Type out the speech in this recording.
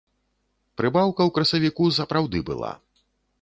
Прыбаўка ў красавіку сапраўды была.